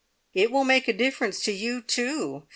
"It will make a difference to you, too.